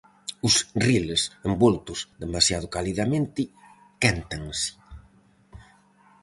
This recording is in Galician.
Os riles, envoltos demasiado calidamente, quéntanse.